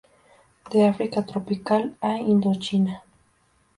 De África tropical a Indochina.